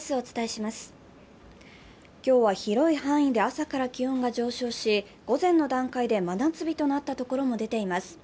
今日は広い範囲で朝から気温が上昇し午前の段階で真夏日となったところも出ています。